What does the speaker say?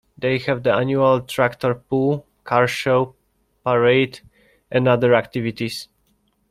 They have the annual tractor pull, car show, parade, and other activities.